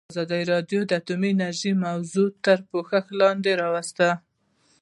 ازادي راډیو د اټومي انرژي موضوع تر پوښښ لاندې راوستې.